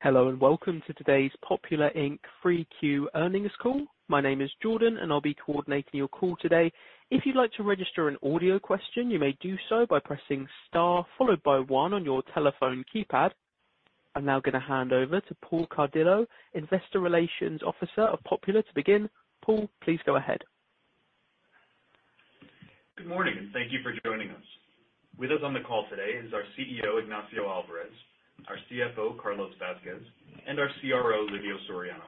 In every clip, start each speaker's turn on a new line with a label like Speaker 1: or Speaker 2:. Speaker 1: Hello, and welcome to today's Popular, Inc's 3Q earnings call. My name is Jordan, and I'll be coordinating your call today. If you'd like to register an audio question, you may do so by pressing star followed by one on your telephone keypad. I'm now gonna hand over to Paul Cardillo, investor relations officer of Popular to begin. Paul, please go ahead.
Speaker 2: Good morning, and thank you for joining us. With us on the call today is our CEO, Ignacio Alvarez, our CFO, Carlos J. Vázquez, and our CRO, Lidio V. Soriano.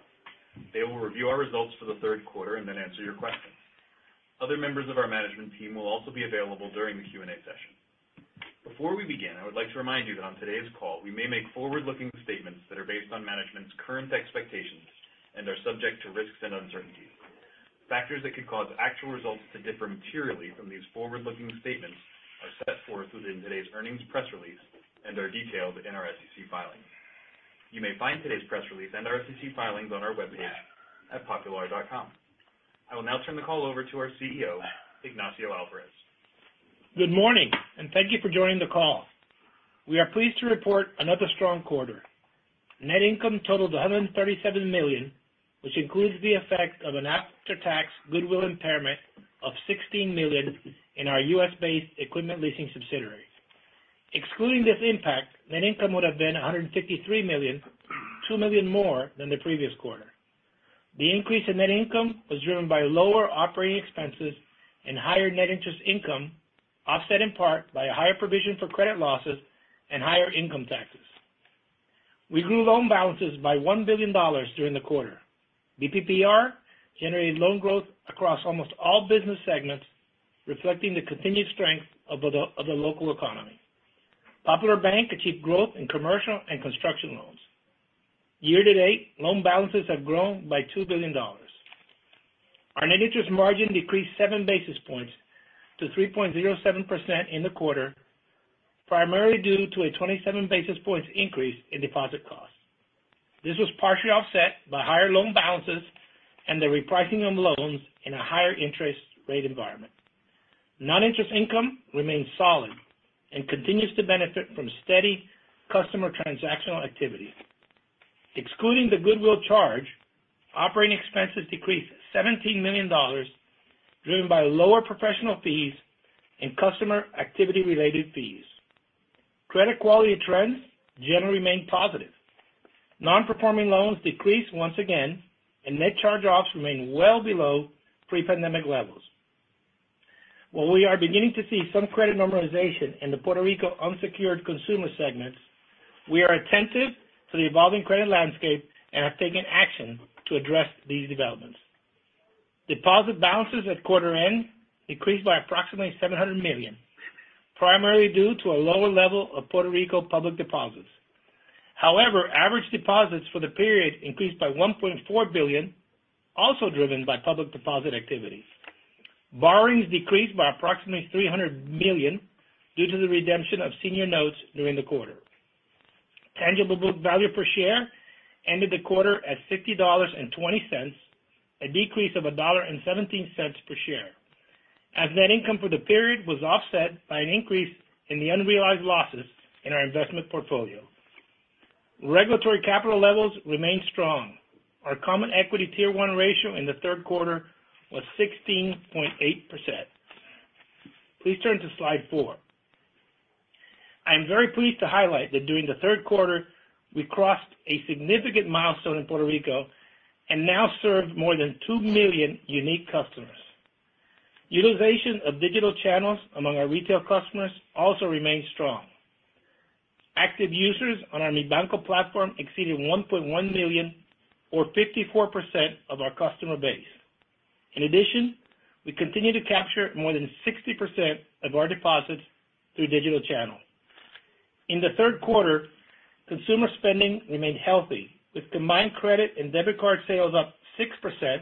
Speaker 2: They will review our results for the third quarter and then answer your questions. Other members of our management team will also be available during the Q&A session. Before we begin, I would like to remind you that on today's call, we may make forward-looking statements that are based on management's current expectations and are subject to risks and uncertainties. Factors that could cause actual results to differ materially from these forward-looking statements are set forth within today's earnings press release and are detailed in our SEC filings. You may find today's press release and our SEC filings on our webpage at popular.com. I will now turn the call over to our CEO, Ignacio Alvarez.
Speaker 3: Good morning, and thank you for joining the call. We are pleased to report another strong quarter. Net income totaled $137 million, which includes the effect of an after-tax goodwill impairment of $16 million in our U.S.-based equipment leasing subsidiaries. Excluding this impact, net income would have been $153 million, $2 million more than the previous quarter. The increase in net income was driven by lower operating expenses and higher net interest income, offset in part by a higher provision for credit losses and higher income taxes. We grew loan balances by $1 billion during the quarter. BPPR generated loan growth across almost all business segments, reflecting the continued strength of the local economy. Popular Bank achieved growth in commercial and construction loans. Year-to-date, loan balances have grown by $2 billion. Our net interest margin decreased 7 basis points to 3.07% in the quarter, primarily due to a 27 basis points increase in deposit costs. This was partially offset by higher loan balances and the repricing of loans in a higher interest rate environment. Non-interest income remains solid and continues to benefit from steady customer transactional activity. Excluding the goodwill charge, operating expenses decreased $17 million, driven by lower professional fees and customer activity-related fees. Credit quality trends generally remain positive. Non-performing loans decreased once again, and net charge-offs remain well below pre-pandemic levels. While we are beginning to see some credit normalization in the Puerto Rico unsecured consumer segments, we are attentive to the evolving credit landscape and have taken action to address these developments. Deposit balances at quarter end increased by approximately $700 million, primarily due to a lower level of Puerto Rico public deposits. However, average deposits for the period increased by $1.4 billion, also driven by public deposit activities. Borrowings decreased by approximately $300 million due to the redemption of senior notes during the quarter. Tangible book value per share ended the quarter at $50.20, a decrease of $1.17 per share, as net income for the period was offset by an increase in the unrealized losses in our investment portfolio. Regulatory capital levels remain strong. Our Common Equity Tier 1 ratio in the third quarter was 16.8%. Please turn to slide four. I am very pleased to highlight that during the third quarter, we crossed a significant milestone in Puerto Rico and now serve more than 2 million unique customers. Utilization of digital channels among our retail customers also remains strong. Active users on our Mi Banco platform exceeded 1.1 million, or 54% of our customer base. In addition, we continue to capture more than 60% of our deposits through digital channels. In the third quarter, consumer spending remained healthy, with combined credit and debit card sales up 6%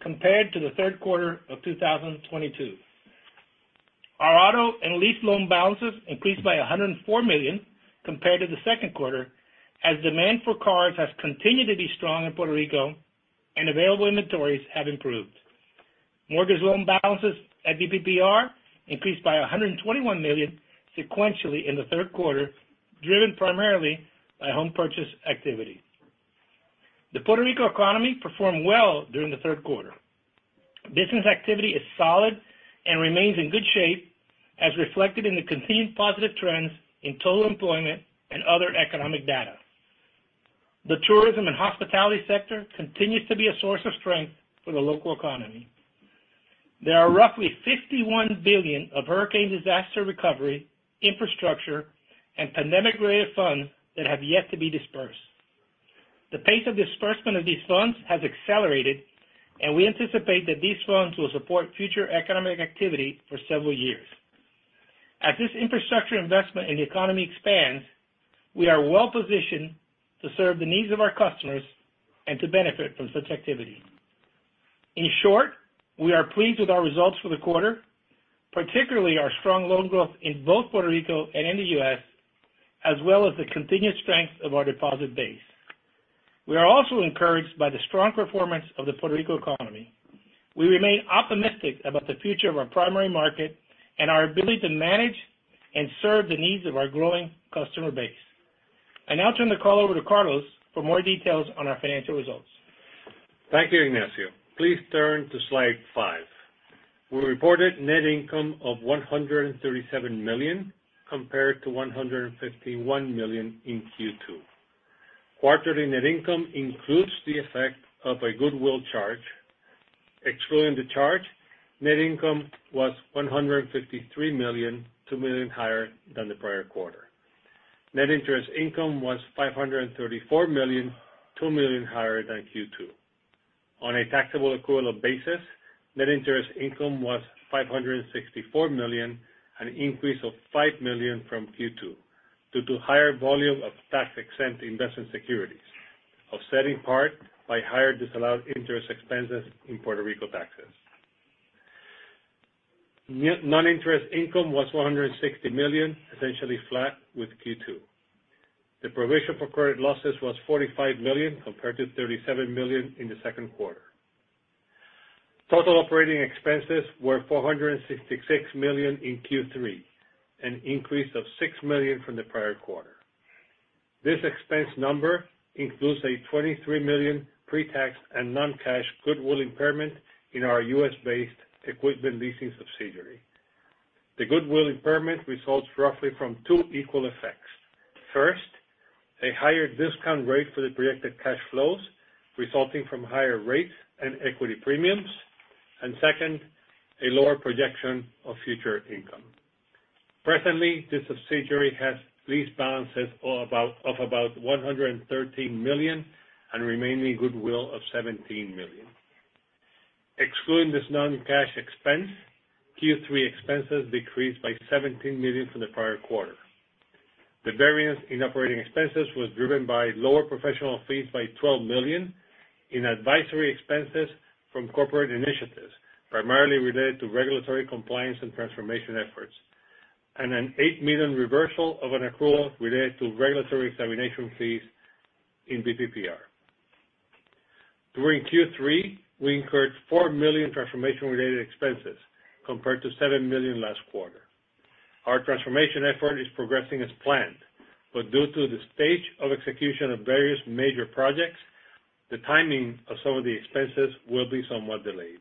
Speaker 3: compared to the third quarter of 2022. Our auto and lease loan balances increased by $104 million compared to the second quarter, as demand for cars has continued to be strong in Puerto Rico and available inventories have improved. Mortgage loan balances at BPPR increased by $121 million sequentially in the third quarter, driven primarily by home purchase activity. The Puerto Rico economy performed well during the third quarter. Business activity is solid and remains in good shape, as reflected in the continued positive trends in total employment and other economic data. The tourism and hospitality sector continues to be a source of strength for the local economy. There are roughly $51 billion of hurricane disaster recovery, infrastructure, and pandemic-related funds that have yet to be dispersed. The pace of disbursement of these funds has accelerated, and we anticipate that these funds will support future economic activity for several years. As this infrastructure investment in the economy expands, we are well positioned to serve the needs of our customers and to benefit from such activity. In short, we are pleased with our results for the quarter, particularly our strong loan growth in both Puerto Rico and in the U.S., as well as the continued strength of our deposit base. We are also encouraged by the strong performance of the Puerto Rico economy. We remain optimistic about the future of our primary market and our ability to manage and serve the needs of our growing customer base. I now turn the call over to Carlos for more details on our financial results.
Speaker 4: Thank you, Ignacio. Please turn to slide five. We reported net income of $137 million, compared to $151 million in Q2. Quarterly net income includes the effect of a goodwill charge. Excluding the charge, net income was $153 million, $2 million higher than the prior quarter. Net interest income was $534 million, $2 million higher than Q2. On a taxable accrual basis, net interest income was $564 million, an increase of $5 million from Q2, due to higher volume of tax-exempt investment securities, offsetting part by higher disallowed interest expenses in Puerto Rico taxes. Net non-interest income was $160 million, essentially flat with Q2. The provision for credit losses was $45 million, compared to $37 million in the second quarter. Total operating expenses were $466 million in Q3, an increase of $6 million from the prior quarter. This expense number includes a $23 million pre-tax and non-cash goodwill impairment in our U.S.-based equipment leasing subsidiary. The goodwill impairment results roughly from two equal effects. First, a higher discount rate for the projected cash flows, resulting from higher rates and equity premiums, and second, a lower projection of future income. Presently, this subsidiary has lease balances of about $113 million and remaining goodwill of $17 million. Excluding this non-cash expense, Q3 expenses decreased by $17 million from the prior quarter. The variance in operating expenses was driven by lower professional fees by $12 million in advisory expenses from corporate initiatives, primarily related to regulatory compliance and transformation efforts, and an $8 million reversal of an accrual related to regulatory examination fees in BPPR. During Q3, we incurred $4 million transformation-related expenses, compared to $7 million last quarter. Our transformation effort is progressing as planned, but due to the stage of execution of various major projects, the timing of some of the expenses will be somewhat delayed.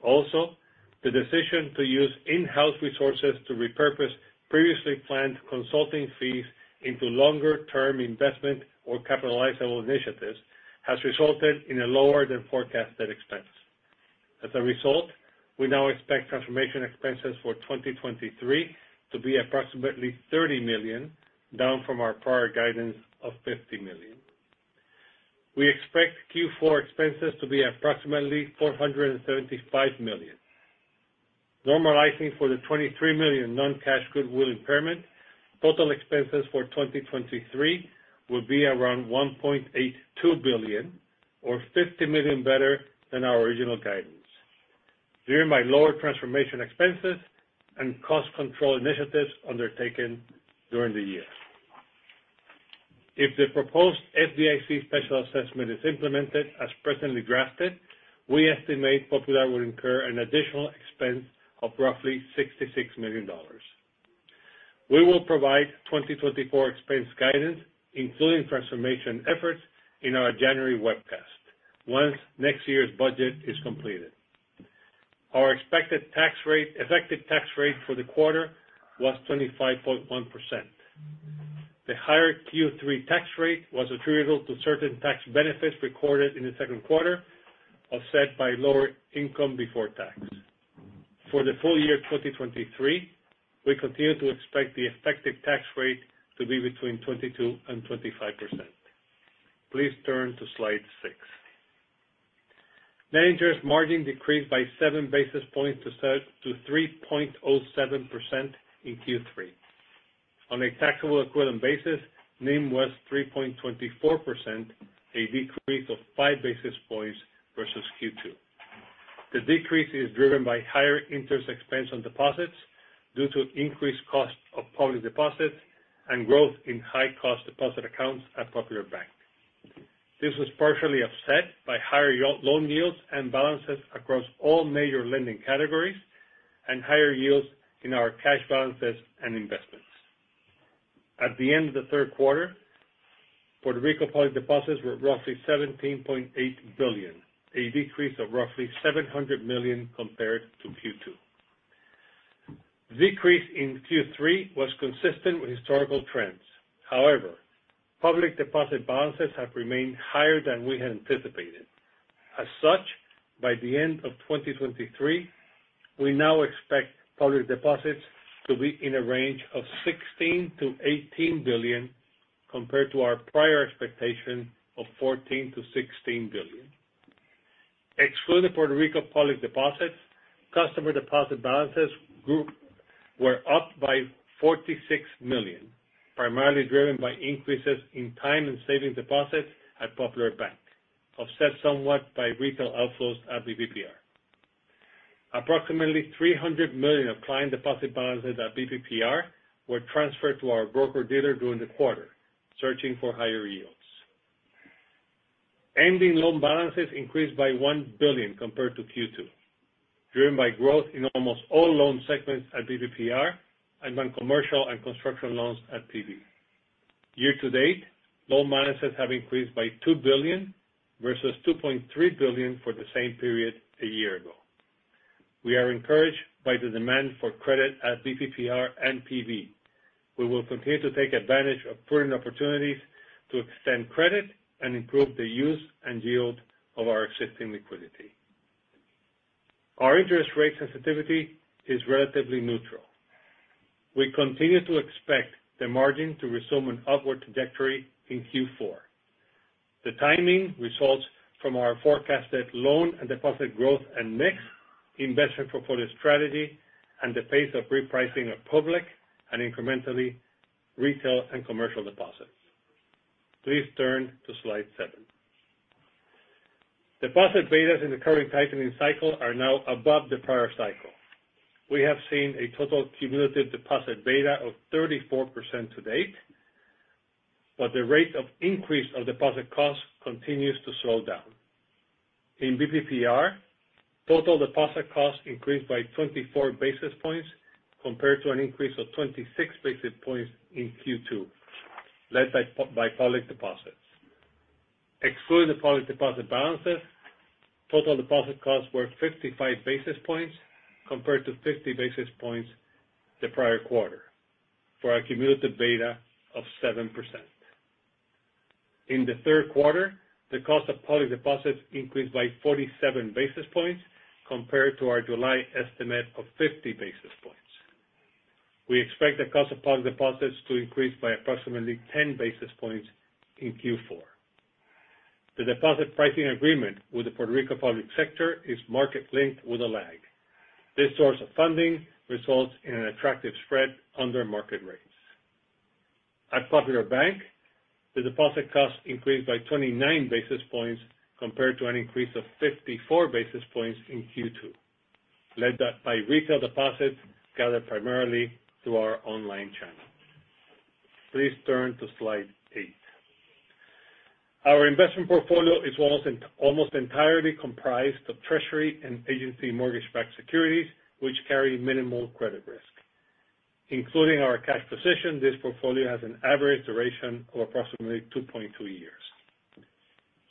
Speaker 4: Also, the decision to use in-house resources to repurpose previously planned consulting fees into longer-term investment or capitalizable initiatives has resulted in a lower-than-forecasted expense. As a result, we now expect transformation expenses for 2023 to be approximately $30 million, down from our prior guidance of $50 million. We expect Q4 expenses to be approximately $475 million. Normalizing for the $23 million non-cash goodwill impairment, total expenses for 2023 will be around $1.82 billion, or $50 million better than our original guidance, driven by lower transformation expenses and cost control initiatives undertaken during the year. If the proposed FDIC special assessment is implemented as presently drafted, we estimate Popular will incur an additional expense of roughly $66 million. We will provide 2024 expense guidance, including transformation efforts, in our January webcast once next year's budget is completed. Our expected effective tax rate for the quarter was 25.1%. The higher Q3 tax rate was attributable to certain tax benefits recorded in the second quarter, offset by lower income before tax. For the full year 2023, we continue to expect the effective tax rate to be between 22%-25%. Please turn to slide six. Net interest margin decreased by 7 basis points to 3.07% in Q3. On a taxable equivalent basis, NIM was 3.24%, a decrease of 5 basis points versus Q2. The decrease is driven by higher interest expense on deposits due to increased cost of public deposits and growth in high-cost deposit accounts at Popular Bank. This was partially offset by higher loan yields and balances across all major lending categories and higher yields in our cash balances and investments. At the end of the third quarter, Puerto Rico public deposits were roughly $17.8 billion, a decrease of roughly $700 million compared to Q2. Decrease in Q3 was consistent with historical trends. However, public deposit balances have remained higher than we had anticipated. As such, by the end of 2023, we now expect public deposits to be in a range of $16 billion-$18 billion, compared to our prior expectation of $14 billion-$16 billion. Excluding Puerto Rico public deposits, customer deposit balances grew—were up by $46 million, primarily driven by increases in time and savings deposits at Popular Bank, offset somewhat by retail outflows at BPPR. Approximately $300 million of client deposit balances at BPPR were transferred to our broker dealer during the quarter, searching for higher yields. Ending loan balances increased by $1 billion compared to Q2, driven by growth in almost all loan segments at BPPR and non-commercial and construction loans at PB. Year-to-date, loan balances have increased by $2 billion, versus $2.3 billion for the same period a year ago. We are encouraged by the demand for credit at BPPR and PB. We will continue to take advantage of prudent opportunities to extend credit and improve the use and yield of our existing liquidity. Our interest rate sensitivity is relatively neutral. We continue to expect the margin to resume an upward trajectory in Q4. The timing results from our forecasted loan and deposit growth, and next, investment portfolio strategy, and the pace of repricing of public and incrementally retail and commercial deposits. Please turn to slide seven. Deposit betas in the current tightening cycle are now above the prior cycle. We have seen a total cumulative deposit beta of 34% to date, but the rate of increase of deposit costs continues to slow down. In BPPR, total deposit costs increased by 24 basis points compared to an increase of 26 basis points in Q2, led by by public deposits. Excluding the public deposit balances, total deposit costs were 55 basis points, compared to 50 basis points the prior quarter, for a cumulative beta of 7%. In the third quarter, the cost of public deposits increased by 47 basis points compared to our July estimate of 50 basis points. We expect the cost of public deposits to increase by approximately 10 basis points in Q4. The deposit pricing agreement with the Puerto Rico public sector is market-linked with a lag. This source of funding results in an attractive spread under market rates. At Popular Bank, the deposit costs increased by 29 basis points compared to an increase of 54 basis points in Q2, led by retail deposits gathered primarily through our online channel. Please turn to slide eight. Our investment portfolio is almost entirely comprised of treasury and agency mortgage-backed securities, which carry minimal credit risk. Including our cash position, this portfolio has an average duration of approximately 2.2 years.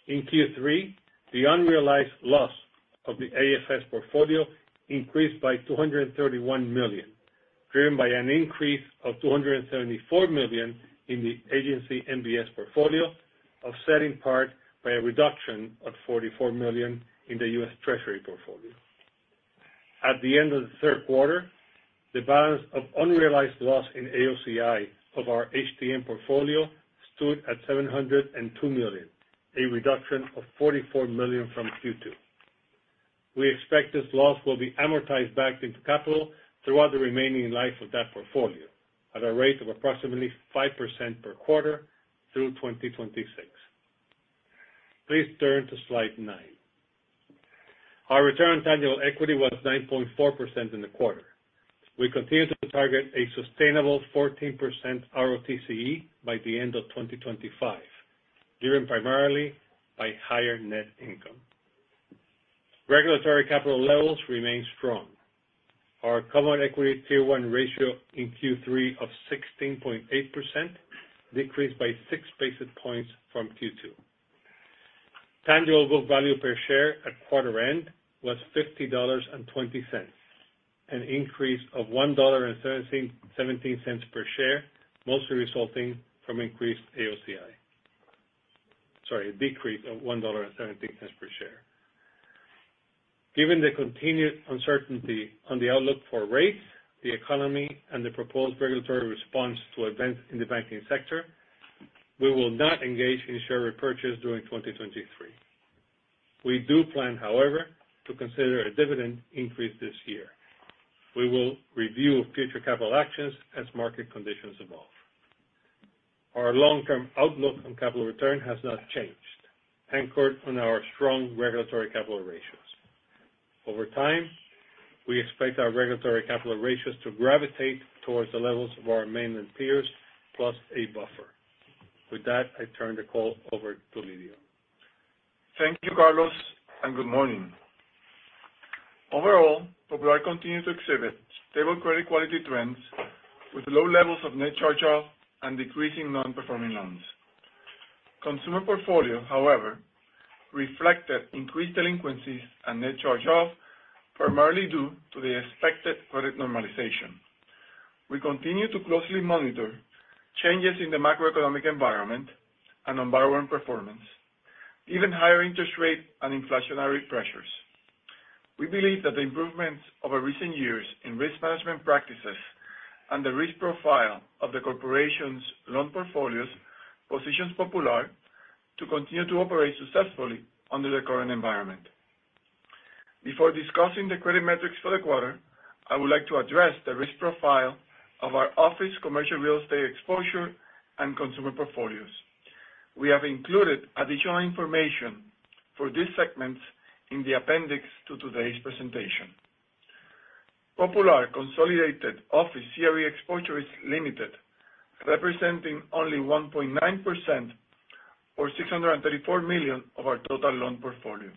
Speaker 4: In Q3, the unrealized loss of the AFS portfolio increased by $231 million, driven by an increase of $274 million in the agency MBS portfolio, offset in part by a reduction of $44 million in the U.S. Treasury portfolio. At the end of the third quarter, the balance of unrealized loss in AOCI of our HTM portfolio stood at $702 million, a reduction of $44 million from Q2. We expect this loss will be amortized back into capital throughout the remaining life of that portfolio, at a rate of approximately 5% per quarter through 2026. Please turn to slide nine. Our return on tangible equity was 9.4% in the quarter. We continue to target a sustainable 14% ROTCE by the end of 2025, driven primarily by higher net income. Regulatory capital levels remain strong. Our Common Equity Tier 1 ratio in Q3 of 16.8% decreased by 6 basis points from Q2. Tangible book value per share at quarter end was $50.20, an increase of $1.17 per share, mostly resulting from increased AOCI. Sorry, a decrease of $1.17 per share. Given the continued uncertainty on the outlook for rates, the economy, and the proposed regulatory response to events in the banking sector, we will not engage in share repurchase during 2023. We do plan, however, to consider a dividend increase this year. We will review future capital actions as market conditions evolve. Our long-term outlook on capital return has not changed, anchored on our strong regulatory capital ratios. Over time, we expect our regulatory capital ratios to gravitate towards the levels of our mainland peers, plus a buffer. With that, I turn the call over to Lidio.
Speaker 5: Thank you, Carlos, and good morning. Overall, Popular continues to exhibit stable credit quality trends with low levels of net charge-off and decreasing non-performing loans. Consumer portfolio, however, reflected increased delinquencies and net charge-off, primarily due to the expected credit normalization. We continue to closely monitor changes in the macroeconomic environment and on borrowing performance, even higher interest rate and inflationary pressures. We believe that the improvements over recent years in risk management practices and the risk profile of the corporation's loan portfolios, positions Popular to continue to operate successfully under the current environment. Before discussing the credit metrics for the quarter, I would like to address the risk profile of our office, commercial real estate exposure, and consumer portfolios.... We have included additional information for these segments in the appendix to today's presentation. Popular consolidated office CRE exposure is limited, representing only 1.9% or $634 million of our total loan portfolio.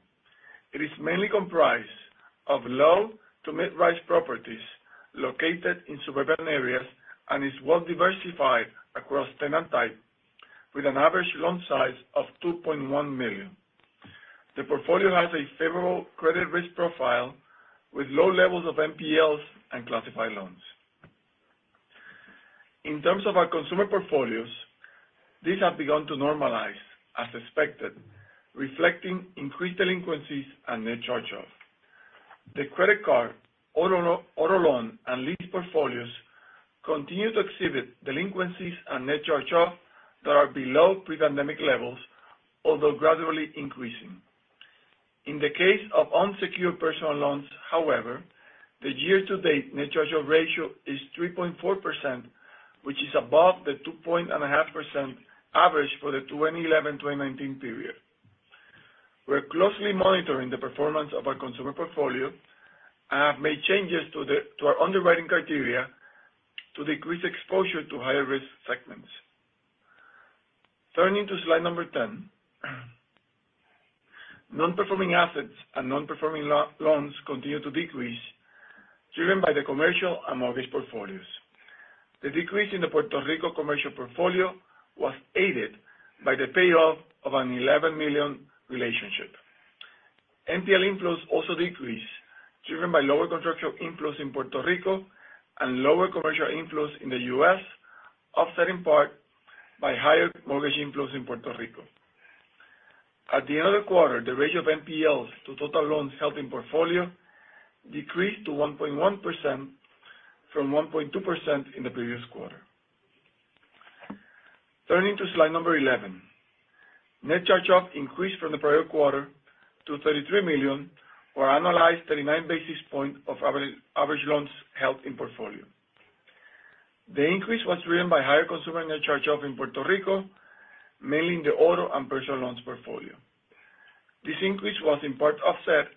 Speaker 5: It is mainly comprised of low to mid-rise properties located in suburban areas and is well diversified across tenant type, with an average loan size of $2.1 million. The portfolio has a favorable credit risk profile, with low levels of NPLs and classified loans. In terms of our consumer portfolios, these have begun to normalize as expected, reflecting increased delinquencies and net charge-off. The credit card, auto loan, and lease portfolios continue to exhibit delinquencies and net charge-off that are below pre-pandemic levels, although gradually increasing. In the case of unsecured personal loans, however, the year-to-date net charge-off ratio is 3.4%, which is above the 2.5% average for the 2011-2019 period. We're closely monitoring the performance of our consumer portfolio and have made changes to our underwriting criteria to decrease exposure to higher risk segments. Turning to slide number 10. Non-performing assets and non-performing loans continue to decrease, driven by the commercial and mortgage portfolios. The decrease in the Puerto Rico commercial portfolio was aided by the payoff of an $11 million relationship. NPL inflows also decreased, driven by lower contractual inflows in Puerto Rico and lower commercial inflows in the U.S., offset in part by higher mortgage inflows in Puerto Rico. At the end of the quarter, the ratio of NPLs to total loans held in portfolio decreased to 1.1% from 1.2% in the previous quarter. Turning to slide 11. Net charge-off increased from the prior quarter to $33 million, or annualized 39 basis point of average loans held in portfolio. The increase was driven by higher consumer net charge-off in Puerto Rico, mainly in the auto and personal loans portfolio. This increase was in part offset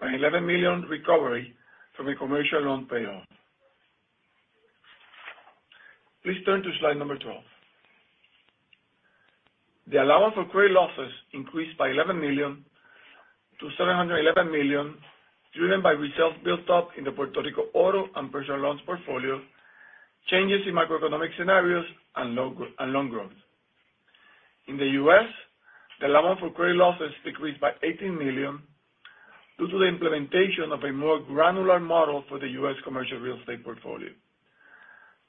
Speaker 5: by $11 million recovery from a commercial loan payoff. Please turn to slide 12. The allowance for credit losses increased by $11 million to $711 million, driven by reserve build-up in the Puerto Rico auto and personal loans portfolio, changes in macroeconomic scenarios and loan growth. In the U.S., the allowance for credit losses decreased by $18 million due to the implementation of a more granular model for the U.S. commercial real estate portfolio.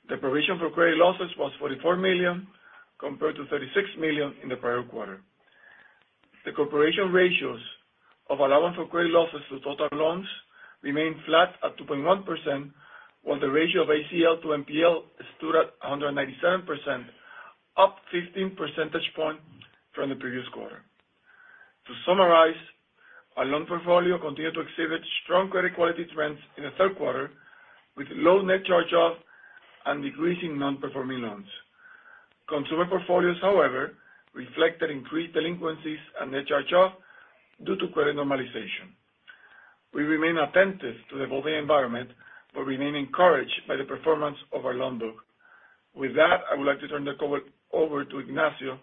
Speaker 5: The provision for credit losses was $44 million, compared to $36 million in the prior quarter. The corporation ratios of allowance for credit losses to total loans remained flat at 2.1%, while the ratio of ACL to NPL stood at 197%, up 15 percentage points from the previous quarter. To summarize, our loan portfolio continued to exhibit strong credit quality trends in the third quarter, with low net charge-off and decreasing non-performing loans. Consumer portfolios, however, reflected increased delinquencies and net charge-off due to credit normalization. We remain attentive to the evolving environment, but remain encouraged by the performance of our loan book. With that, I would like to turn the call over to Ignacio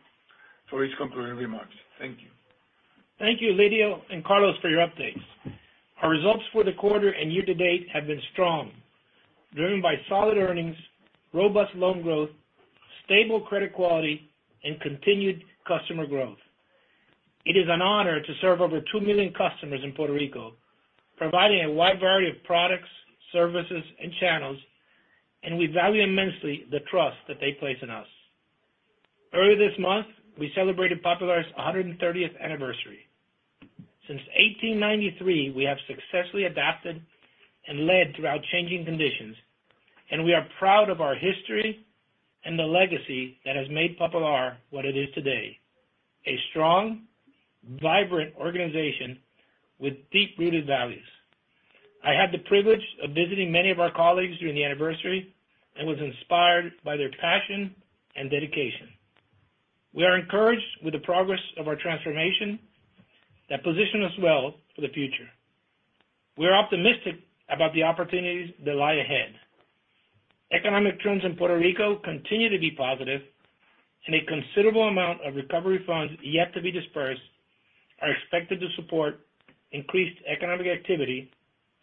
Speaker 5: for his concluding remarks. Thank you.
Speaker 3: Thank you, Lidio and Carlos, for your updates. Our results for the quarter and year to date have been strong, driven by solid earnings, robust loan growth, stable credit quality, and continued customer growth. It is an honor to serve over 2 million customers in Puerto Rico, providing a wide variety of products, services, and channels, and we value immensely the trust that they place in us. Earlier this month, we celebrated Popular's 130th anniversary. Since 1893, we have successfully adapted and led throughout changing conditions, and we are proud of our history and the legacy that has made Popular what it is today, a strong, vibrant organization with deep-rooted values. I had the privilege of visiting many of our colleagues during the anniversary and was inspired by their passion and dedication. We are encouraged with the progress of our transformation that positions us well for the future. We are optimistic about the opportunities that lie ahead. Economic trends in Puerto Rico continue to be positive, and a considerable amount of recovery funds yet to be dispersed are expected to support increased economic activity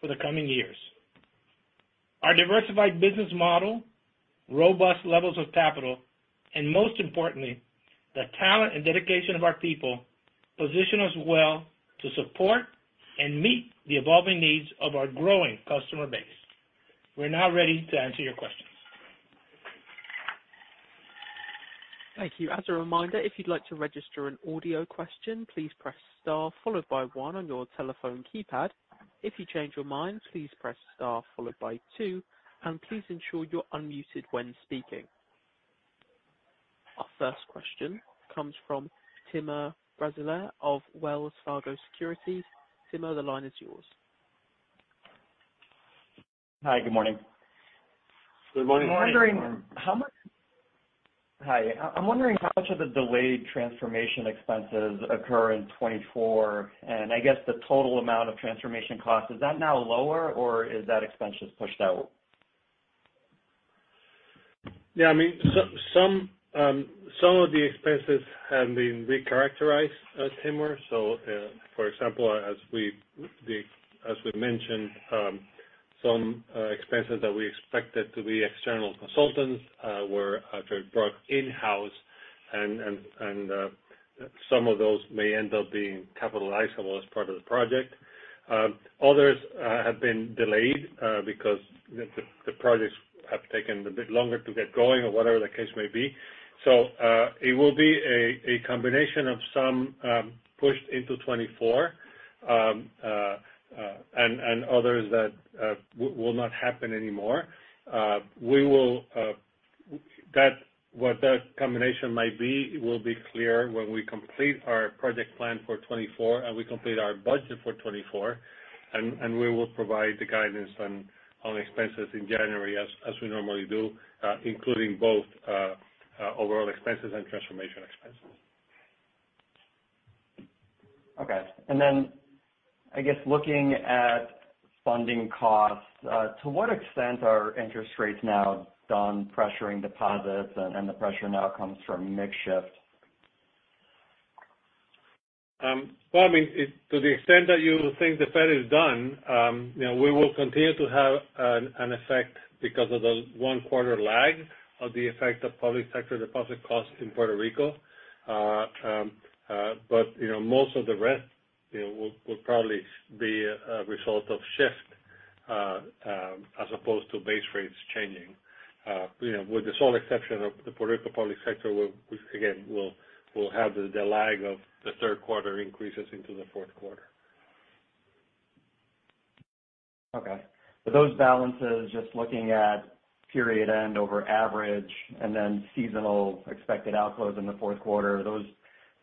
Speaker 3: for the coming years. Our diversified business model, robust levels of capital, and most importantly, the talent and dedication of our people, position us well to support and meet the evolving needs of our growing customer base. We're now ready to answer your questions.
Speaker 1: Thank you. As a reminder, if you'd like to register an audio question, please press star followed by one on your telephone keypad. If you change your mind, please press star followed by two, and please ensure you're unmuted when speaking. Our first question comes from Timur Braziler of Wells Fargo Securities. Timur, the line is yours. ...
Speaker 6: Hi, good morning.
Speaker 4: Good morning.
Speaker 6: I'm wondering, how much of the delayed transformation expenses occur in 2024, and I guess the total amount of transformation cost, is that now lower or is that expenses pushed out?
Speaker 4: Yeah, I mean, some, some, some of the expenses have been recharacterized, Timur. For example, as we mentioned, some expenses that we expected to be external consultants were brought in-house, and some of those may end up being capitalizable as part of the project. Others have been delayed because the projects have taken a bit longer to get going or whatever the case may be. It will be a combination of some pushed into 2024, and others that will not happen anymore. What that combination might be will be clear when we complete our project plan for 2024, and we complete our budget for 2024, and we will provide the guidance on expenses in January as we normally do, including both overall expenses and transformation expenses.
Speaker 6: Okay. And then, I guess, looking at funding costs, to what extent are interest rates now done pressuring deposits, and the pressure now comes from mix shift?
Speaker 4: Well, I mean, to the extent that you think the Fed is done, you know, we will continue to have an effect because of the one quarter lag of the effect of public sector deposit costs in Puerto Rico. But, you know, most of the rest, you know, will probably be a result of shift as opposed to base rates changing. You know, with the sole exception of the Puerto Rico public sector, we'll again have the lag of the third quarter increases into the fourth quarter.
Speaker 6: Okay. But those balances, just looking at period end over average and then seasonal expected outflows in the fourth quarter, those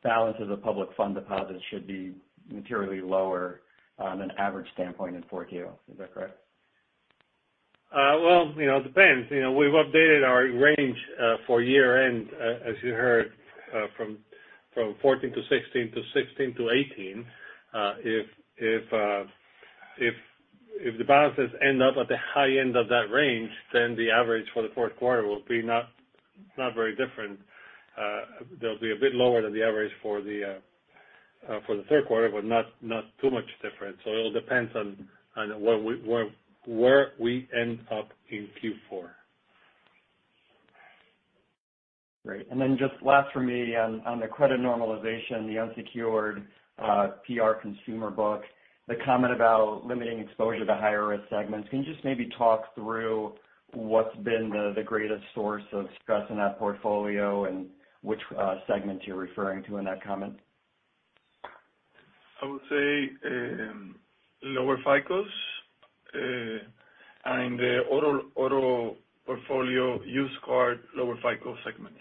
Speaker 6: balances of public fund deposits should be materially lower on an average standpoint in 4Q. Is that correct?
Speaker 4: Well, you know, it depends. You know, we've updated our range for year-end, as you heard, from $14 billion-$16 billion to $16 billion-$18 billion. If the balances end up at the high end of that range, then the average for the fourth quarter will be not very different. They'll be a bit lower than the average for the third quarter, but not too much different. So it all depends on where we end up in Q4.
Speaker 6: Great. Just last for me on the credit normalization, the unsecured PR consumer book, the comment about limiting exposure to higher risk segments. Can you just maybe talk through what's been the greatest source of stress in that portfolio and which segments you're referring to in that comment?
Speaker 4: I would say lower FICOs and the auto portfolio, used car, lower FICO segments.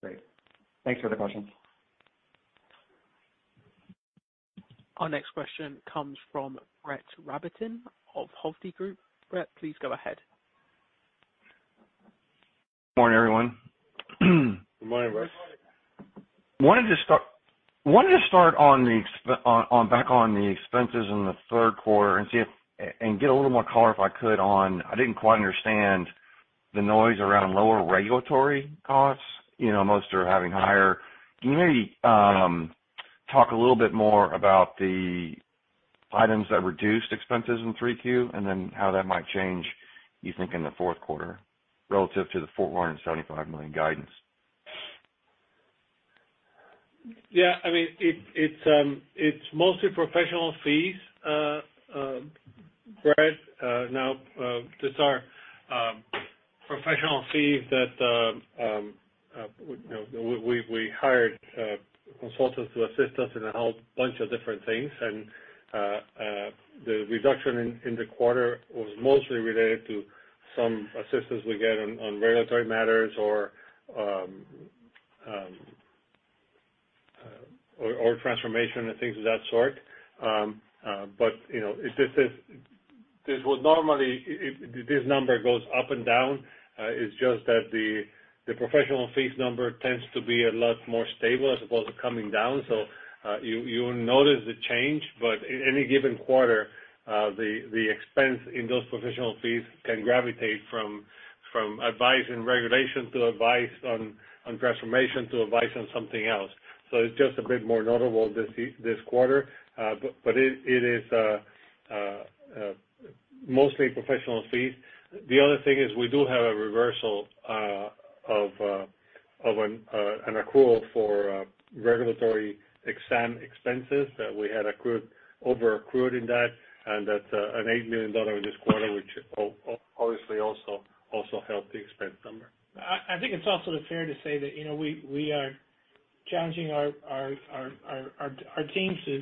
Speaker 6: Great. Thanks for the question.
Speaker 1: Our next question comes from Brett Rabatin of Hovde Group. Brett, please go ahead.
Speaker 7: Morning, everyone.
Speaker 4: Good morning, Brett.
Speaker 7: Wanted to start, wanted to start on the ex- on, on back on the expenses in the third quarter and see if— and get a little more color, if I could, on... I didn't quite understand the noise around lower regulatory costs. You know, most are having higher. Can you maybe talk a little bit more about the items that reduced expenses in 3Q, and then how that might change, you think, in the fourth quarter relative to the $475 million guidance?
Speaker 4: Yeah. I mean, it's mostly professional fees, Brett. Now, these are professional fees that, you know, we hired consultants to assist us in a whole bunch of different things, and the reduction in the quarter was mostly related to some assistance we get on regulatory matters or transformation and things of that sort. But, you know, this is - this was normally, this number goes up and down. It's just that the professional fees number tends to be a lot more stable as opposed to coming down. So, you will notice the change, but in any given quarter, the expense in those professional fees can gravitate from advice and regulation to advice on transformation to advice on something else. So it's just a bit more notable this quarter. But it is mostly professional fees. The other thing is we do have a reversal of an accrual for regulatory exam expenses that we had accrued, over accrued in that, and that's an $8 million in this quarter, which obviously also helped the expense number.
Speaker 3: I think it's also fair to say that, you know, we are challenging our team to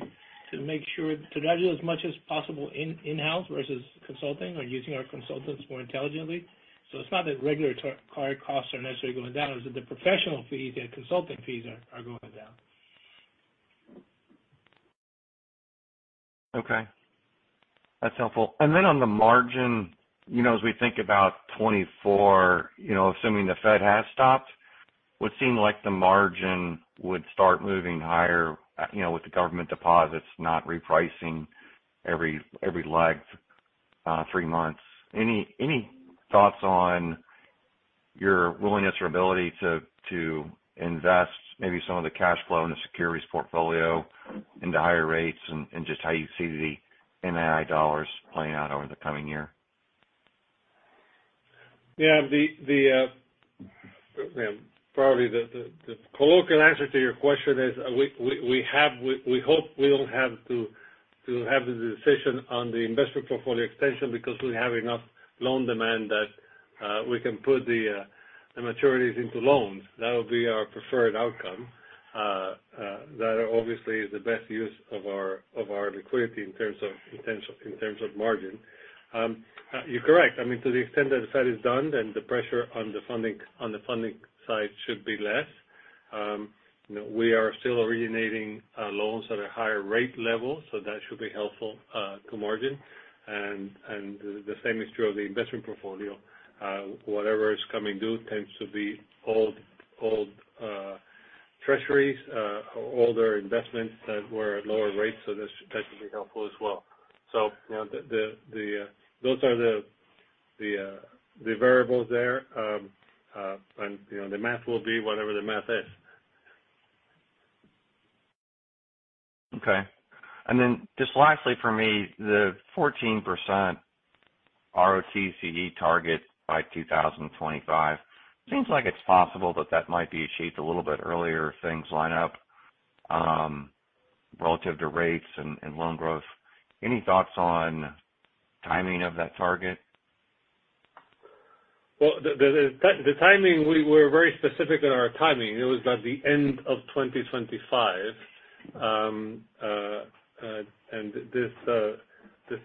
Speaker 3: make sure to do as much as possible in-house versus consulting or using our consultants more intelligently. So it's not that regulatory costs are necessarily going down, it's that the professional fees, the consulting fees are going down....
Speaker 7: Okay, that's helpful. And then on the margin, you know, as we think about 2024, you know, assuming the Fed has stopped, would seem like the margin would start moving higher, with the government deposits not repricing every lag three months. Any thoughts on your willingness or ability to invest maybe some of the cash flow in the securities portfolio into higher rates and just how you see the NII dollars playing out over the coming year?
Speaker 4: Yeah, the, the, probably the, the colloquial answer to your question is, we, we have-- we hope we don't have to have the decision on the investment portfolio extension because we have enough loan demand that we can put the maturities into loans. That would be our preferred outcome. That obviously is the best use of our liquidity in terms of potential, in terms of margin. You're correct. I mean, to the extent that the Fed is done, then the pressure on the funding, on the funding side should be less. You know, we are still originating loans at a higher rate level, so that should be helpful to margin. And the same is true of the investment portfolio. Whatever is coming due tends to be old, old treasuries, older investments that were at lower rates, so that should technically helpful as well. So, you know, those are the variables there. And, you know, the math will be whatever the math is.
Speaker 7: Okay. And then just lastly for me, the 14% ROTCE target by 2025. Seems like it's possible that that might be achieved a little bit earlier if things line up, relative to rates and, and loan growth. Any thoughts on timing of that target?
Speaker 4: Well, the timing, we were very specific in our timing. It was by the end of 2025. And this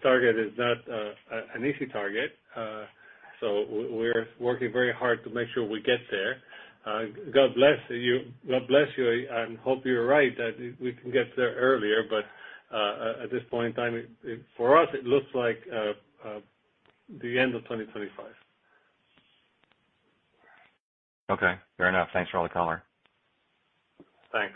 Speaker 4: target is not an easy target, so we're working very hard to make sure we get there. God bless you, God bless you, I hope you're right, that we can get there earlier, but at this point in time, for us, it looks like the end of 2025.
Speaker 7: Okay, fair enough. Thanks for all the color.
Speaker 4: Thanks.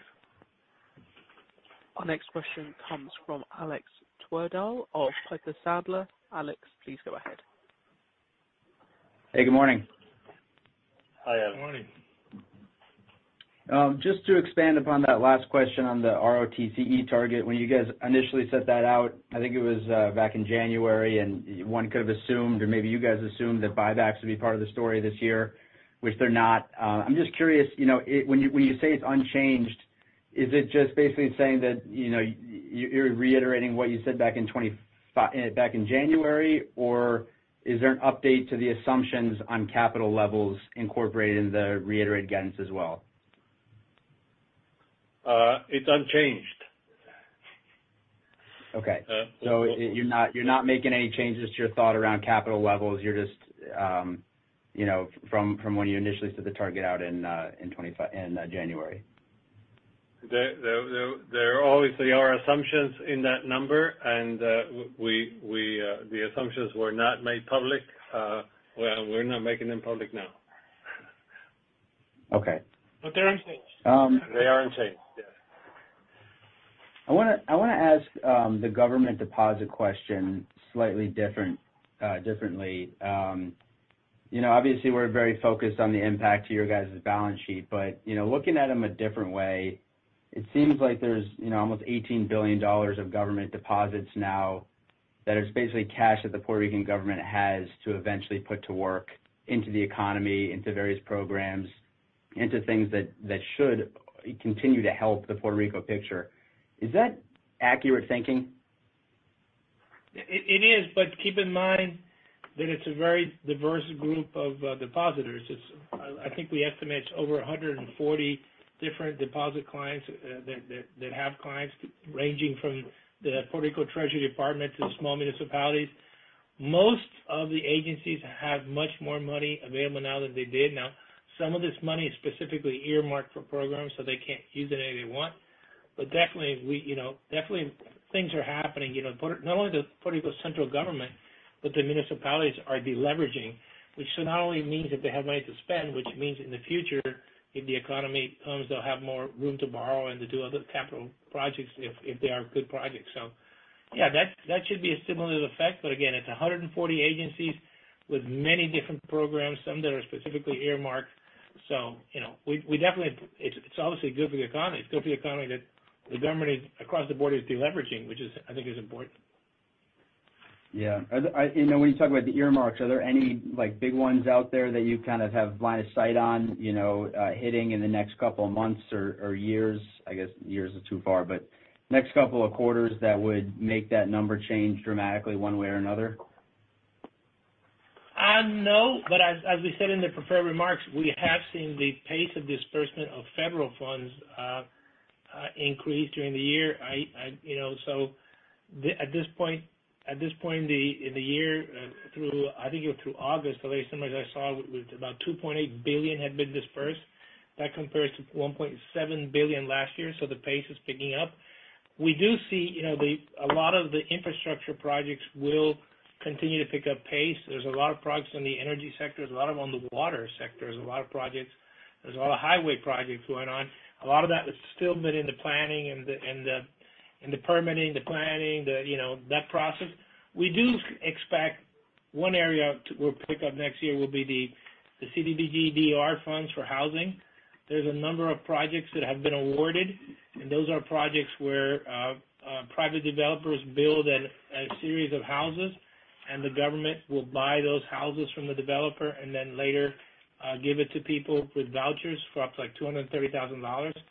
Speaker 1: Our next question comes from Alex Twerdahl of Piper Sandler. Alex, please go ahead.
Speaker 8: Hey, good morning.
Speaker 4: Hi, Alex.
Speaker 3: Good morning.
Speaker 8: Just to expand upon that last question on the ROTCE target. When you guys initially set that out, I think it was back in January, and one could have assumed or maybe you guys assumed that buybacks would be part of the story this year, which they're not. I'm just curious, you know, when you, when you say it's unchanged, is it just basically saying that, you know, you're reiterating what you said back in January? Or is there an update to the assumptions on capital levels incorporated in the reiterated guidance as well?
Speaker 4: It's unchanged.
Speaker 8: Okay.
Speaker 4: Uh.
Speaker 8: You're not making any changes to your thought around capital levels. You're just, you know, from when you initially set the target out in 2025, in January.
Speaker 4: There obviously are assumptions in that number, and the assumptions were not made public. Well, we're not making them public now.
Speaker 8: Okay.
Speaker 3: But they're unchanged.
Speaker 4: They are unchanged, yes.
Speaker 8: I wanna, I wanna ask the government deposit question slightly different, differently. You know, obviously, we're very focused on the impact to your guys' balance sheet, but, you know, looking at them a different way, it seems like there's, you know, almost $18 billion of government deposits now that is basically cash that the Puerto Rican government has to eventually put to work into the economy, into various programs, into things that, that should continue to help the Puerto Rico picture. Is that accurate thinking?
Speaker 3: It is, but keep in mind that it's a very diverse group of depositors. It's—I think we estimate over 140 different deposit clients that have clients ranging from the Puerto Rico Treasury Department to small municipalities. Most of the agencies have much more money available now than they did. Now, some of this money is specifically earmarked for programs, so they can't use it any way they want. But definitely we, you know, definitely things are happening. You know, Puerto Rico. Not only the Puerto Rico central government, but the municipalities are deleveraging, which so not only means that they have money to spend, which means in the future, if the economy comes, they'll have more room to borrow and to do other capital projects if they are good projects. So yeah, that should be a similar effect, but again, it's 140 agencies with many different programs, some that are specifically earmarked. So, you know, we definitely. It's obviously good for the economy. It's good for the economy that the government across the board is deleveraging, which I think is important.
Speaker 8: Yeah. I—you know, when you talk about the earmarks, are there any, like, big ones out there that you kind of have line of sight on, you know, hitting in the next couple of months or, or years? I guess years are too far, but next couple of quarters, that would make that number change dramatically one way or another?
Speaker 3: No, but as we said in the prepared remarks, we have seen the pace of disbursement of federal funds increase during the year. You know, so at this point in the year, through I think it was through August, the latest numbers I saw was about $2.8 billion had been disbursed. That compares to $1.7 billion last year, so the pace is picking up. We do see, you know, a lot of the infrastructure projects will continue to pick up pace. There's a lot of projects in the energy sector, there's a lot of them on the water sector. There's a lot of projects. There's a lot of highway projects going on. A lot of that has still been in the planning and the permitting, the planning, you know, that process. We do expect one area that will pick up next year will be the CDBG-DR funds for housing. There's a number of projects that have been awarded, and those are projects where private developers build a series of houses, and the government will buy those houses from the developer and then later give it to people with vouchers for up to, like, $230,000. About--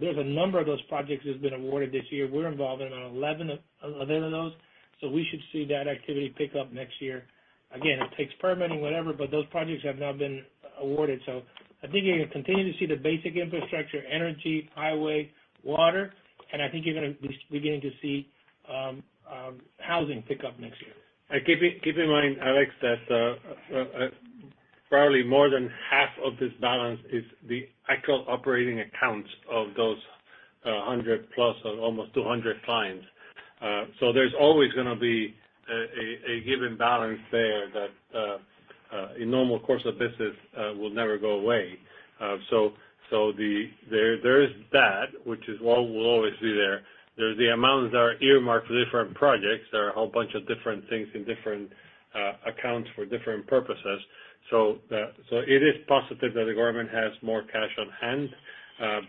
Speaker 3: There's a number of those projects that have been awarded this year. We're involved in 11 of those, so we should see that activity pick up next year. Again, it takes permitting, whatever, but those projects have now been awarded. So I think you're going to continue to see the basic infrastructure, energy, highway, water, and I think you're gonna be beginning to see housing pick up next year.
Speaker 4: Keep it in mind, Alex, that probably more than half of this balance is the actual operating accounts of those 100+ or almost 200 clients. So there's always gonna be a given balance there that in normal course of business will never go away. So there is that, which is what will always be there. There's the amounts that are earmarked for different projects. There are a whole bunch of different things in different accounts for different purposes. So it is positive that the government has more cash on hand,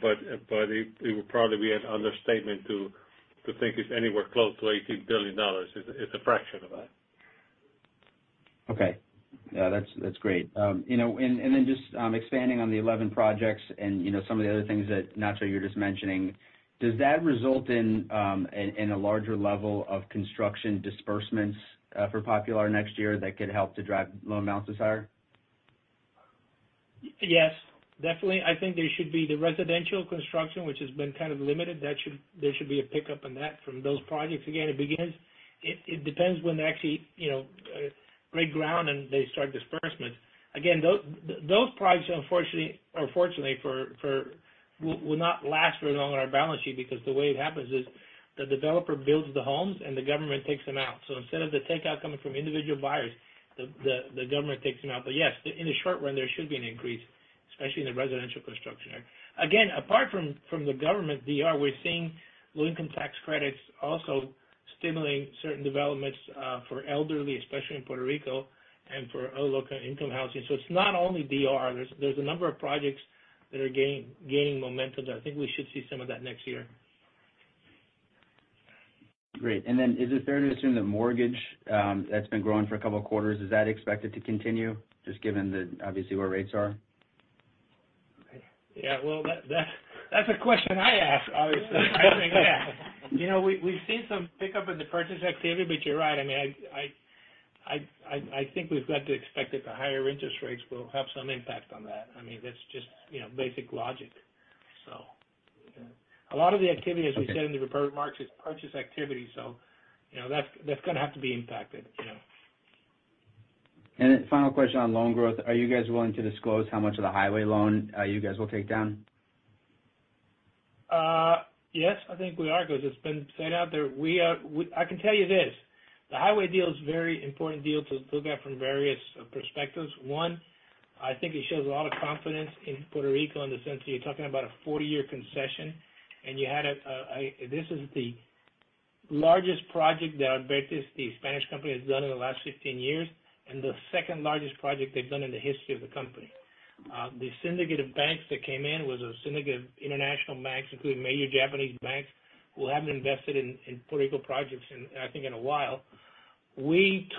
Speaker 4: but it would probably be an understatement to think it's anywhere close to $18 billion. It's a fraction of that.
Speaker 8: Okay. Yeah, that's great. You know, expanding on the 11 projects and, you know, some of the other things that, Ignacio, you're just mentioning, does that result in a larger level of construction disbursements for Popular next year that could help to drive loan amounts higher?
Speaker 3: Yes, definitely. I think there should be the residential construction, which has been kind of limited. There should be a pickup on that from those projects. Again, it depends when they actually, you know, break ground and they start disbursement. Again, those projects, unfortunately or fortunately for us, will not last very long on our balance sheet, because the way it happens is the developer builds the homes, and the government takes them out. So instead of the takeout coming from individual buyers, the government takes them out. But yes, in the short run, there should be an increase, especially in the residential construction area. Again, apart from the government DR, we're seeing low-income tax credits also stimulating certain developments for elderly, especially in Puerto Rico and for other local income housing. So it's not only DR. There's a number of projects that are gaining momentum that I think we should see some of that next year.
Speaker 8: Great. And then, is it fair to assume that mortgage, that's been growing for a couple of quarters, is that expected to continue? Just given the, obviously, where rates are.
Speaker 3: Yeah, well, that's a question I ask, obviously. I think, you know, we've seen some pickup in the purchase activity, but you're right. I mean, I think we've got to expect that the higher interest rates will have some impact on that. I mean, that's just, you know, basic logic. So yeah. A lot of the activity, as we said, in the prepared remarks is purchase activity, so, you know, that's gonna have to be impacted, you know.
Speaker 8: Final question on loan growth. Are you guys willing to disclose how much of the highway loan you guys will take down?
Speaker 3: Yes, I think we are, because it's been said out there. We are. I can tell you this: the highway deal is a very important deal to look at from various perspectives. One, I think it shows a lot of confidence in Puerto Rico in the sense that you're talking about a 40-year concession, and you had a... This is the largest project that Abertis, the Spanish company, has done in the last 15 years, and the second-largest project they've done in the history of the company. The syndicated banks that came in was a syndicate of international banks, including major Japanese banks, who haven't invested in Puerto Rico projects in, I think, in a while. We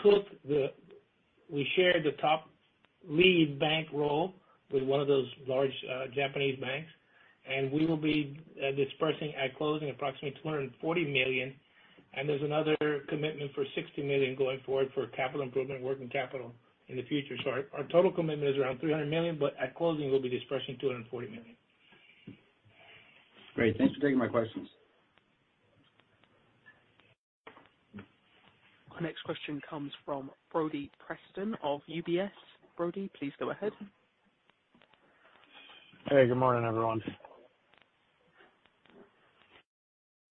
Speaker 3: shared the top lead bank role with one of those large, Japanese banks, and we will be dispersing at closing approximately $240 million, and there's another commitment for $60 million going forward for capital improvement, working capital in the future. So our total commitment is around $300 million, but at closing, we'll be dispersing $240 million.
Speaker 8: Great. Thanks for taking my questions.
Speaker 1: Our next question comes from Brody Preston of UBS. Brody, please go ahead.
Speaker 9: Hey, good morning, everyone.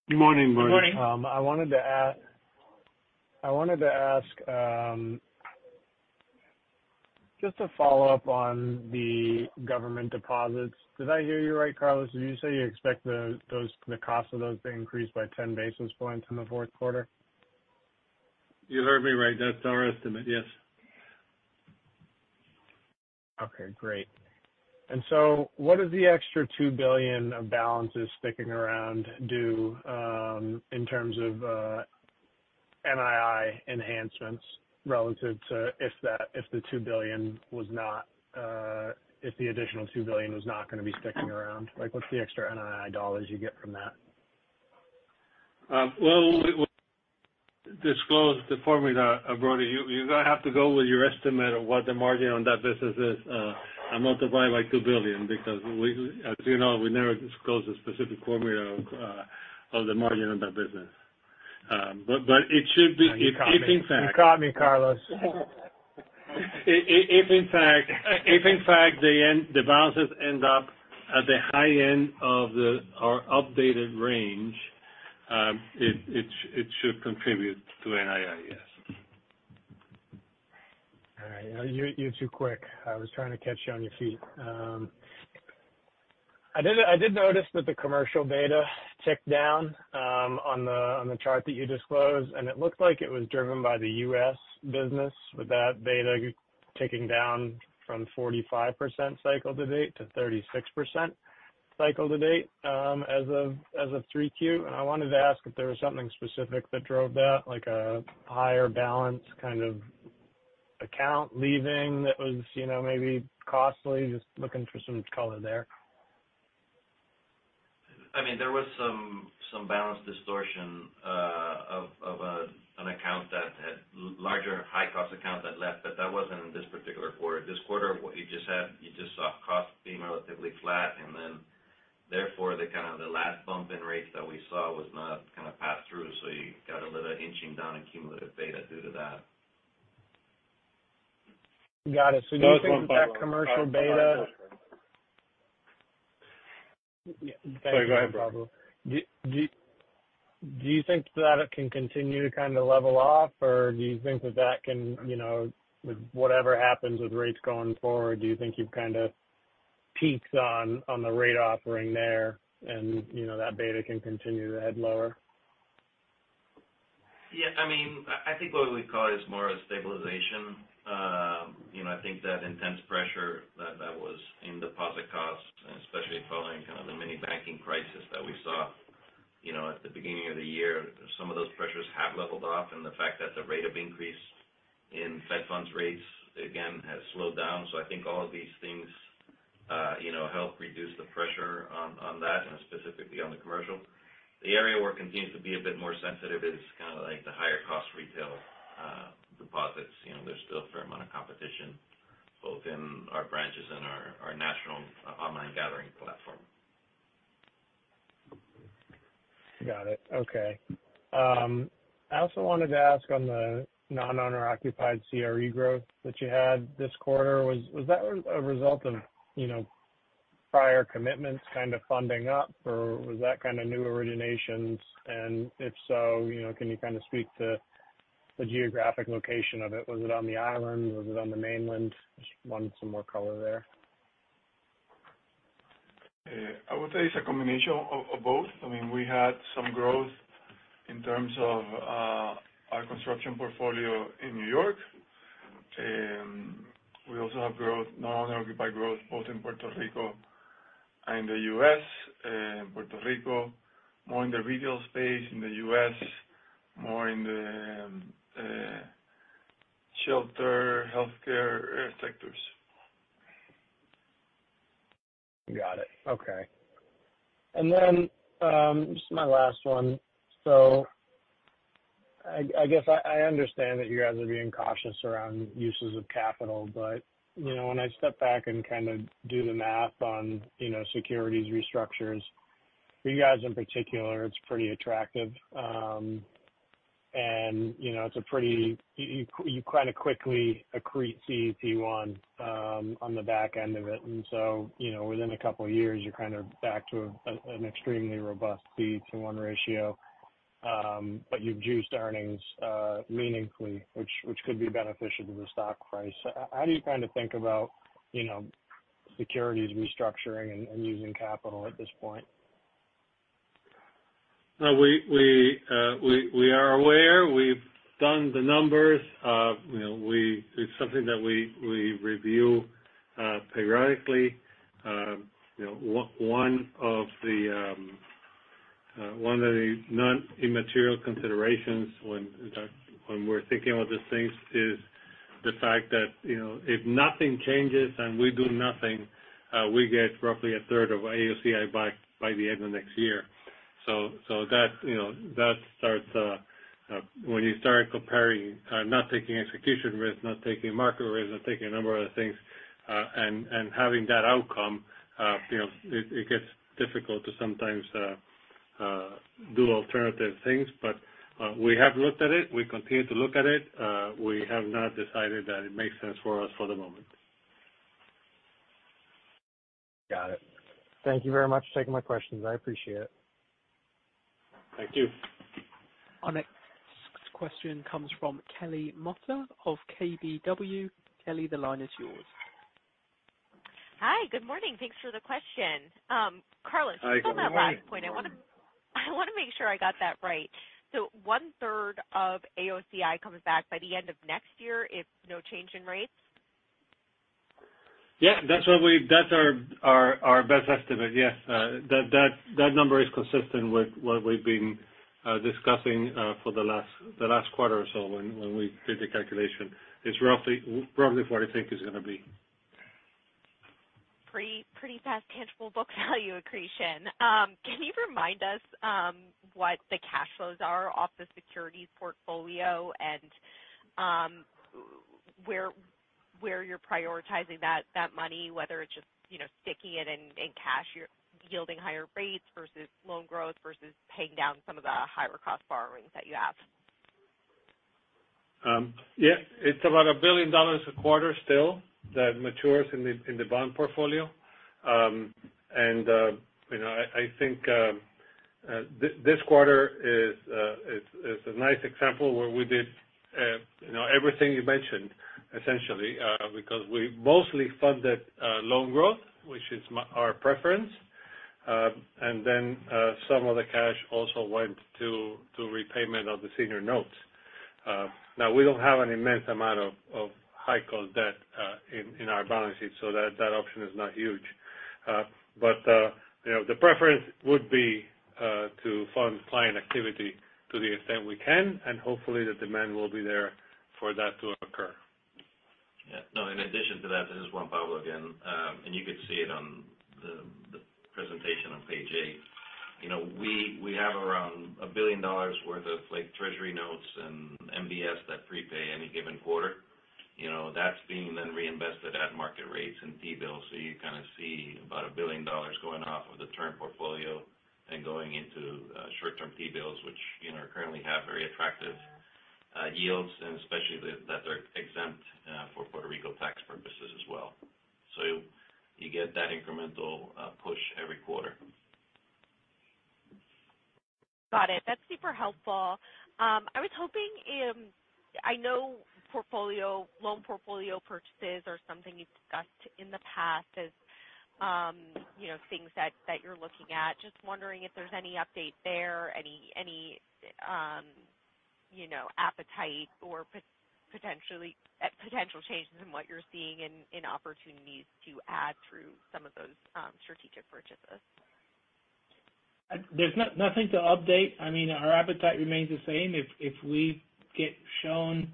Speaker 4: Good morning, Brody.
Speaker 3: Good morning.
Speaker 9: I wanted to ask, just to follow up on the government deposits. Did I hear you right, Carlos? Did you say you expect the cost of those to increase by 10 basis points in the fourth quarter?
Speaker 4: You heard me right. That's our estimate, yes.
Speaker 9: Okay, great. What is the extra $2 billion of balances sticking around due, in terms of NII enhancements relative to if that—if the $2 billion was not, if the additional $2 billion was not gonna be sticking around? Like, what's the extra NII dollars you get from that?
Speaker 4: Well, we will disclose the formula, Brody. You're gonna have to go with your estimate of what the margin on that business is and multiply by $2 billion, because, as you know, we never disclose the specific formula of the margin on that business.... But it should be, if in fact-
Speaker 9: You caught me, Carlos.
Speaker 4: If, in fact, the end balances end up at the high end of our updated range, it should contribute to NII, yes.
Speaker 9: All right. You're too quick. I was trying to catch you on your feet. I did notice that the commercial beta ticked down on the chart that you disclosed, and it looked like it was driven by the U.S. business, with that beta ticking down from 45% cycle to date to 36% cycle to date, as of 3Q. And I wanted to ask if there was something specific that drove that, like a higher balance kind of account leaving that was, you know, maybe costly? Just looking for some color there.
Speaker 10: I mean, there was some, some balance distortion of, of a, an account that had larger high-cost account that left, but that wasn't in this particular quarter. This quarter, what you just had, you just saw costs being relatively flat, and therefore, the kind of the last bump in rates that we saw was not kind of passed through. You got a little inching down in cumulative beta due to that.
Speaker 9: Got it.
Speaker 4: That's one part.
Speaker 9: Do you think that commercial beta-
Speaker 10: Yeah.
Speaker 4: Sorry, go ahead.
Speaker 9: Do you think that it can continue to kind of level off, or do you think that can, you know, with whatever happens with rates going forward, do you think you've kind of peaked on the rate offering there, and, you know, that beta can continue to head lower?
Speaker 10: Yeah, I mean, I, I think what we call it is more a stabilization. You know, I think that intense pressure that, that was in deposit costs, and especially following kind of the mini banking crisis that we saw, you know, at the beginning of the year. Some of those pressures have leveled off, and the fact that the rate of increase in fed funds rates, again, has slowed down. So I think all of these things, you know, help reduce the pressure on, on that and specifically on the commercial. The area where it continues to be a bit more sensitive is kind of like the higher-cost retail deposits. You know, there's still a fair amount of competition both in our branches and our national online gathering platform.
Speaker 9: Got it. Okay. I also wanted to ask on the non-owner occupied CRE growth that you had this quarter. Was that a result of, you know, prior commitments kind of funding up, or was that kind of new originations? And if so, you know, can you kind of speak to the geographic location of it? Was it on the island? Was it on the mainland? Just wanted some more color there.
Speaker 5: I would say it's a combination of both. I mean, we had some growth in terms of our construction portfolio in New York. We also have growth, non-owner occupied growth, both in Puerto Rico and the U.S. In Puerto Rico, more in the retail space, in the U.S., more in the shelter, healthcare sectors.
Speaker 9: Got it. Okay. Just my last one. I guess I understand that you guys are being cautious around uses of capital. You know, when I step back and kind of do the math on securities restructures, for you guys in particular, it's pretty attractive. You know, it's a pretty... You kind of quickly accrete CET1 on the back end of it. You know, within a couple of years, you're kind of back to an extremely robust CET1 ratio. You've juiced earnings meaningfully, which could be beneficial to the stock price. How do you kind of think about securities restructuring and using capital at this point?
Speaker 4: We are aware. We've done the numbers. You know, it's something that we review periodically. You know, one of the non-immaterial considerations, in fact, when we're thinking about these things is the fact that, you know, if nothing changes and we do nothing, we get roughly a third of AOCI back by the end of next year. So that, you know, that starts when you start comparing, not taking execution risk, not taking market risk, not taking a number other things, and having that outcome, you know, it gets difficult to sometimes do alternative things. But we have looked at it. We continue to look at it. We have not decided that it makes sense for us for the moment.
Speaker 9: Got it. Thank you very much for taking my questions. I appreciate it.
Speaker 4: Thank you.
Speaker 1: Our next question comes from Kelly Motta of KBW. Kelly, the line is yours.
Speaker 11: Hi, good morning. Thanks for the question. Carlos-
Speaker 4: Hi, good morning.
Speaker 11: On that last point, I want to make sure I got that right. So one-third of AOCI comes back by the end of next year, if no change in rates?
Speaker 4: Yeah, that's our best estimate. Yes. That number is consistent with what we've been discussing for the last quarter or so when we did the calculation. It's roughly what I think is going to be.
Speaker 11: Pretty, pretty fast tangible book value accretion. Can you remind us what the cash flows are off the securities portfolio and where you're prioritizing that money, whether it's just, you know, sticking it in cash, you're yielding higher rates versus loan growth versus paying down some of the higher cost borrowings that you have?
Speaker 4: Yeah, it's about $1 billion a quarter still, that matures in the bond portfolio. And, you know, I think this quarter is a nice example where we did, you know, everything you mentioned, essentially, because we mostly funded loan growth, which is our preference. And then, some of the cash also went to repayment of the senior notes. Now we don't have an immense amount of high-cost debt in our balance sheet, so that option is not huge. But, you know, the preference would be to fund client activity to the extent we can, and hopefully, the demand will be there for that to occur.
Speaker 10: Yeah. No, in addition to that, this is Juan Pablo again. And you could see it on the presentation on page eight. You know, we have around $1 billion worth of like Treasury notes and MBS that prepay any given quarter. You know, that's being then reinvested at market rates and T-bills. So you kind of see about $1 billion going off of the term portfolio and going into short-term T-bills, which, you know, currently have very attractive yields, and especially that are exempt for Puerto Rico tax purposes as well. So you get that incremental push every quarter.
Speaker 11: Got it. That's super helpful. I was hoping, I know portfolio-loan portfolio purchases are something you've discussed in the past as, you know, things that, that you're looking at. Just wondering if there's any update there, any, any, you know, appetite or potentially, potential changes in what you're seeing in, in opportunities to add through some of those, strategic purchases.
Speaker 3: There's nothing to update. I mean, our appetite remains the same. If we get shown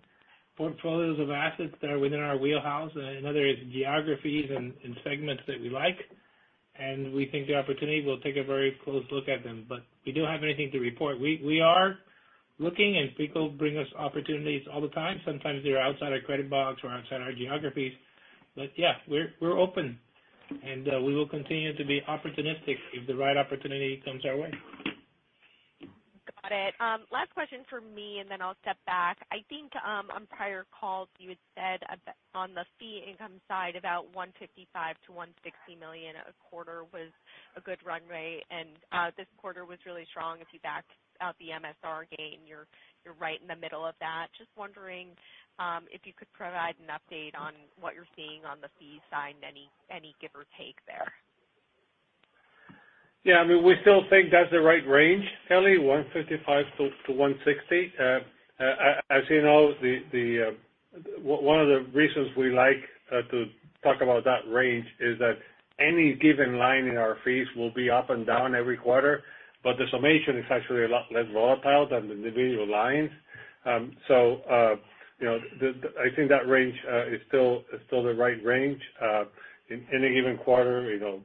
Speaker 3: portfolios of assets that are within our wheelhouse and other geographies and segments that we like, and we think the opportunity, we'll take a very close look at them. But we don't have anything to report. We are looking, and people bring us opportunities all the time. Sometimes they're outside our credit box or outside our geographies. But yeah, we're open, and we will continue to be opportunistic if the right opportunity comes our way.
Speaker 11: Got it. Last question from me, and then I'll step back. I think, on prior calls, you had said on the fee income side, about $155 million-$160 million a quarter was a good runway, and this quarter was really strong. If you backed out the MSR gain, you're right in the middle of that. Just wondering, if you could provide an update on what you're seeing on the fee side, any give or take there?
Speaker 4: Yeah, I mean, we still think that's the right range, Kelly, $155 million-$160 million. As you know, one of the reasons we like to talk about that range is that any given line in our fees will be up and down every quarter, but the summation is actually a lot less volatile than the individual lines. So, you know, I think that range is still the right range. In any given quarter, you know,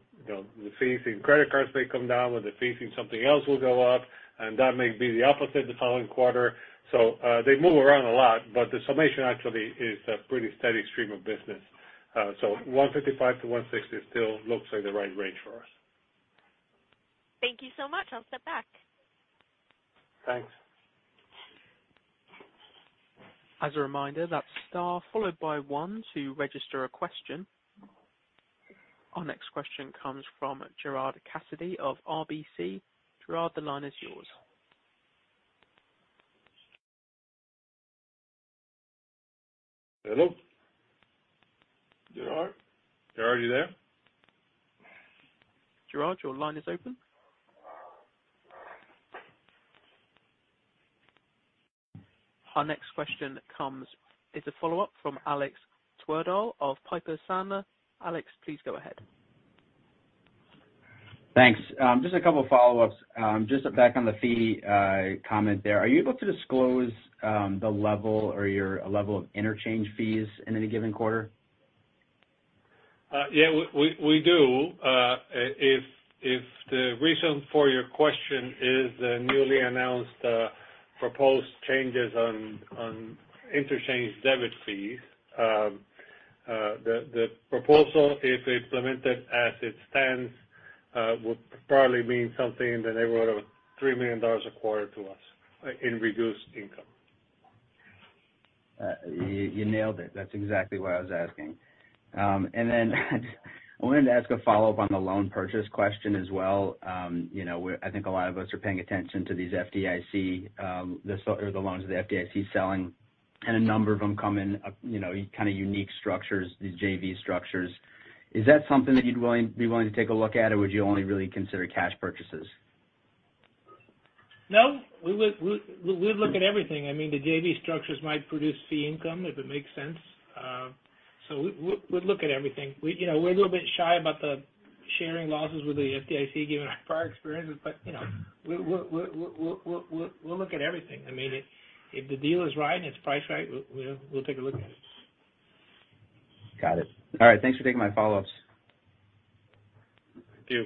Speaker 4: the fees in credit cards may come down, or the fees in something else will go up, and that may be the opposite the following quarter. So, they move around a lot, but the summation actually is a pretty steady stream of business. $155 million-$160 million still looks like the right range for us.
Speaker 11: Thank you so much. I'll step back.
Speaker 4: Thanks.
Speaker 1: As a reminder, that's star followed by one to register a question. Our next question comes from Gerard Cassidy of RBC. Gerard, the line is yours.
Speaker 4: Hello? Gerard, Gerard, are you there?
Speaker 1: Gerard, your line is open. Our next question comes, is a follow-up from Alex Twerdahl of Piper Sandler. Alex, please go ahead.
Speaker 8: Thanks. Just a couple of follow-ups. Just back on the fee comment there. Are you able to disclose the level or your level of interchange fees in any given quarter?
Speaker 4: Yeah, we do. If the reason for your question is the newly announced proposed changes on interchange debit fees, the proposal, if implemented as it stands, would probably mean something in the neighborhood of $3 million a quarter to us in reduced income.
Speaker 8: You nailed it. That's exactly what I was asking. I wanted to ask a follow-up on the loan purchase question as well. You know, I think a lot of us are paying attention to these FDIC, you know, the loans the FDIC is selling, and a number of them come in, you know, kind of unique structures, these JV structures. Is that something that you'd be willing to take a look at, or would you only really consider cash purchases?
Speaker 3: No, we would, we, we'd look at everything. I mean, the JV structures might produce fee income if it makes sense. So we, we, we'd look at everything. We, you know, we're a little bit shy about the sharing losses with the FDIC, given our prior experiences, but, you know, we, we, we'll, we'll, we'll, we'll look at everything. I mean, if, if the deal is right and it's priced right, we'll, we'll take a look at it.
Speaker 8: Got it. All right, thanks for taking my follow-ups.
Speaker 4: Thank you.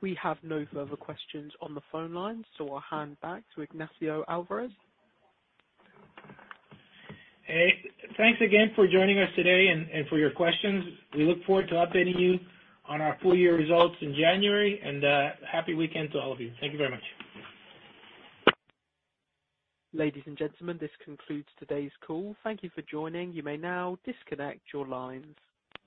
Speaker 1: We have no further questions on the phone line, so I'll hand back to Ignacio Alvarez.
Speaker 3: Hey, thanks again for joining us today and for your questions. We look forward to updating you on our full year results in January, and happy weekend to all of you. Thank you very much.
Speaker 1: Ladies and gentlemen, this concludes today's call. Thank you for joining. You may now disconnect your lines.